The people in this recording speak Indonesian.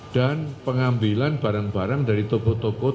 dan pengambilan barang barang dari toko toko